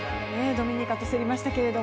ドミニカと競りましたけど。